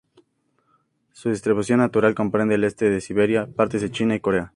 Su distribución natural comprende el este de Siberia, partes de China y Corea.